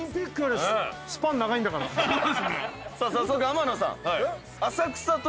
さあ早速天野さん。